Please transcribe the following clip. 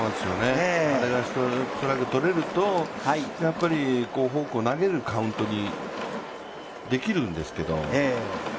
あれがストライク取れるとフォークを投げるカウントにできるんですけど。